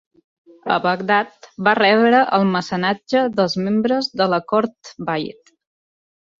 A Bagdad, va rebre el mecenatge dels membres de la cort Buyid.